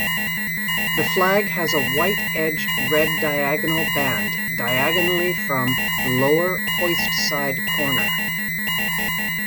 The flag has a white-edged red diagonal band diagonally from the lower hoist-side corner.